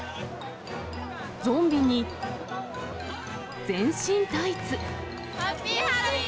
ゾンビに、全身タイツ。